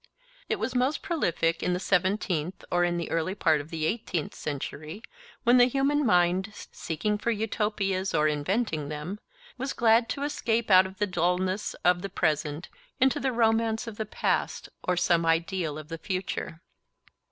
It was most prolific in the seventeenth or in the early part of the eighteenth century, when the human mind, seeking for Utopias or inventing them, was glad to escape out of the dulness of the present into the romance of the past or some ideal of the future.